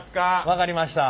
分かりました。